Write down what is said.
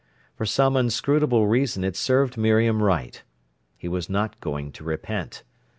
For some inscrutable reason it served Miriam right. He was not going to repent.